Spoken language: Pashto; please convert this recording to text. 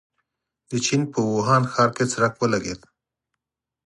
د چين په ووهان ښار کې څرک ولګېد.